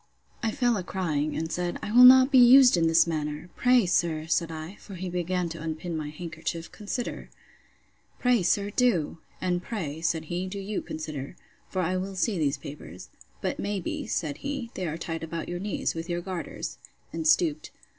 I fell a crying, and said, I will not be used in this manner. Pray, sir, said I, (for he began to unpin my handkerchief,) consider! Pray sir, do!—And pray, said he, do you consider. For I will see these papers. But may be, said he, they are tied about your knees, with your garters, and stooped.